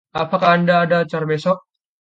Apakah Anda ada acara besok?